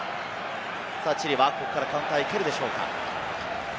チリはここからカウンター、行けるでしょうか？